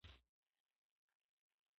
وايي پلار مي ستا د مور د باغ ملیار وو